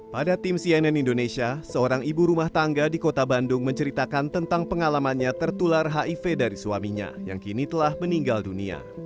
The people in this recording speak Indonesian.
pada tim cnn indonesia seorang ibu rumah tangga di kota bandung menceritakan tentang pengalamannya tertular hiv dari suaminya yang kini telah meninggal dunia